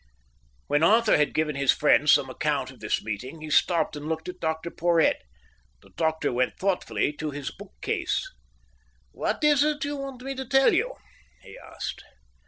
When Arthur had given his friends some account of this meeting, he stopped and looked at Dr Porhoët. The doctor went thoughtfully to his bookcase. "What is it you want me to tell you?" he asked.